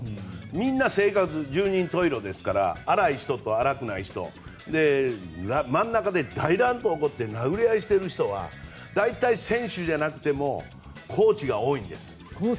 みんな性格、十人十色ですから荒い人と荒くない人真ん中で大乱闘が起こって殴り合いしてる人は大体選手じゃなくてもコーチが多いんです。